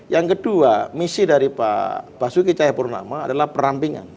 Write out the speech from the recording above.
yang kedua misi dari pak basuki cahayapurnama adalah perampingan